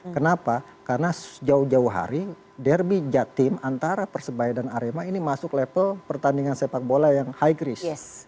kenapa karena jauh jauh hari derby jatim antara persebaya dan arema ini masuk level pertandingan sepak bola yang high risk